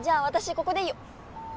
ここでいいよ。